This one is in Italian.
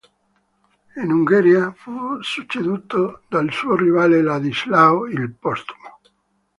In Ungheria, fu succeduto dal suo rivale Ladislao il Postumo.